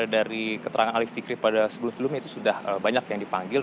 dari keterangan alif fikri pada sebelum sebelumnya itu sudah banyak yang dipanggil